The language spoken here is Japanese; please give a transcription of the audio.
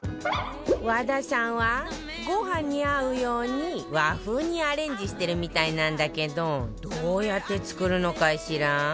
和田さんはご飯に合うように和風にアレンジしてるみたいなんだけどどうやって作るのかしら？